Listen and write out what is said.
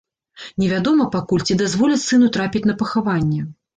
Невядома пакуль, ці дазволяць сыну трапіць на пахаванне.